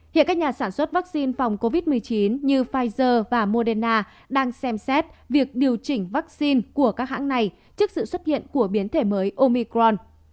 hiện các nhà sản xuất vaccine phòng covid một mươi chín như pfizer và moderna đang xem xét việc điều chỉnh vaccine của các hãng này trước sự xuất hiện của biến thể mới omicron